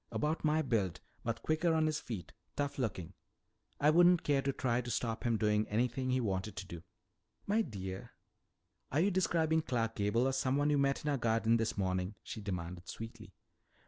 About my build, but quicker on his feet, tough looking. I wouldn't care to try to stop him doing anything he wanted to do." "My dear, are you describing Clark Gable or someone you met in our garden this morning?" she demanded sweetly.